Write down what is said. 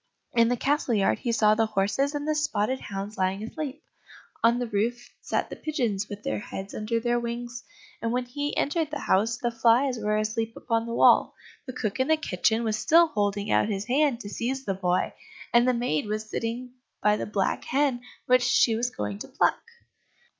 In the castle yard he saw the horses and the spotted hounds lying asleep; on the roof sat the pigeons with their heads under their wings. And when he entered the house, the flies were asleep upon the wall, the cook in the kitchen was still holding out his hand to seize the boy, and the maid was sitting by the black hen which she was going to pluck.